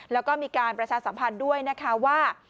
แล้วก็มีการประชาสัมพันธ์ด้วยนะคะว่า